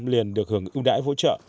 liền được hưởng ưu đãi hỗ trợ